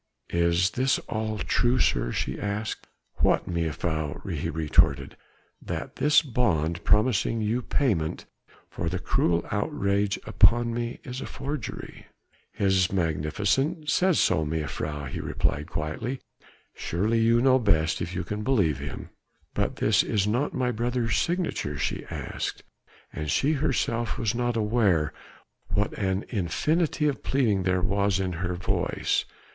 "Is this all true, sir?" she asked. "What, mejuffrouw?" he retorted. "That this bond promising you payment for the cruel outrage upon me is a forgery?" "His Magnificence says so, mejuffrouw," he replied quietly, "surely you know best if you can believe him." "But this is not my brother's signature?" she asked: and she herself was not aware what an infinity of pleading there was in her voice.